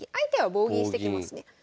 棒銀してきますね。